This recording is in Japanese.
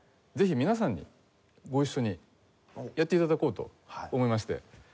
ぜひ皆さんにご一緒にやって頂こうと思いまして。